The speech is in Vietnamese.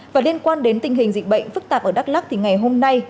và liên quan đến tình hình dịch bệnh phức tạp ở đắk lắc thì ngày hôm nay